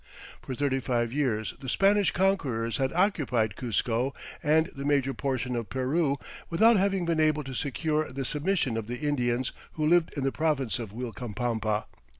For thirty five years the Spanish conquerors had occupied Cuzco and the major portion of Peru without having been able to secure the submission of the Indians who lived in the province of Uilcapampa.